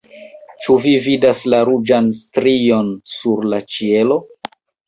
ĉu vi vidas la ruĝan strion sur la ĉielo?